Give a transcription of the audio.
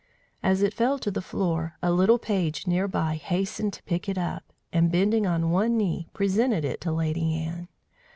As it fell to the floor, a little page near by hastened to pick it up, and, bending on one knee, presented it to Lady Anne.